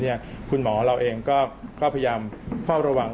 เพราะฉะนั้นตอนนี้คุณหมอเราเองก็ช้าวระหว่าง